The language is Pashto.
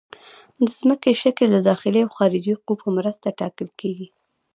د ځمکې شکل د داخلي او خارجي قوو په مرسته ټاکل کیږي